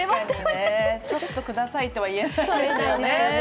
ちょっとくださいとは言えないですよね。